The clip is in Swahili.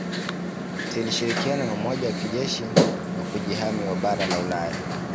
Zilishirikiana na Umoja wa kijeshi wa Kujihami wa bara la Ulaya